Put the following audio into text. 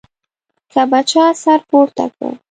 که به چا سر پورته کړ.